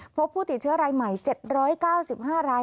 พบผู้ติดเชื้อรายใหม่๗๙๕ราย